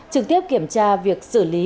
trực tiếp kiểm tra việc xử lý